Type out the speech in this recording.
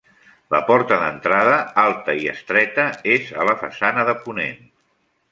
La porta d'entrada, alta i estreta, és a la façana de ponent.